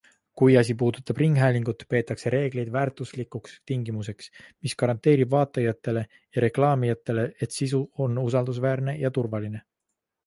Kui asi puudutab ringhäälingut, peetakse reegleid väärtuslikuks tingimuseks, mis garanteerib vaatajatele ja reklaamijatele, et sisu on usaldusväärne ja turvaline.